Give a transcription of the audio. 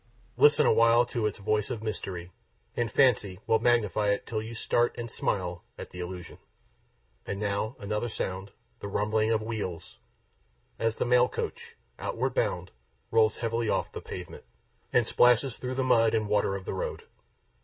Listen awhile to its voice of mystery; and fancy will magnify it, till you start and smile at the illusion. And now another sound, the rumbling of wheels, as the mail coach, outward bound, rolls heavily off the pavements, and splashes through the mud and water of the road.